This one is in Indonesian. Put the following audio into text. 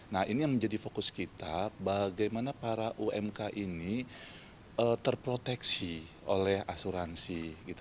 nah ini yang menjadi fokus kita bagaimana para umk ini terproteksi oleh asuransi